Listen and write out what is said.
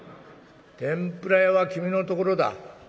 天ぷら屋は君のところだ。